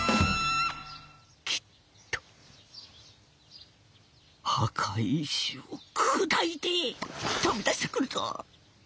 「きっと墓石を砕いて飛び出してくるぞ」。